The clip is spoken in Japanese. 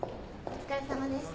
お疲れさまです。